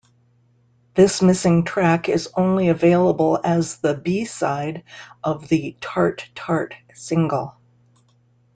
This missing track is only available as the B-side of the "Tart Tart" single.